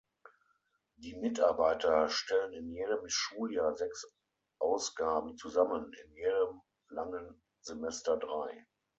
Die Mitarbeiter stellen in jedem Schuljahr sechs Ausgaben zusammen – in jedem langen Semester drei.